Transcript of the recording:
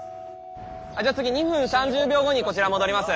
じゃあ次２分３０秒後にこちら戻ります。